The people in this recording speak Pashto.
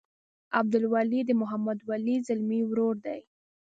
عبدالولي د محمد ولي ځلمي ورور دی.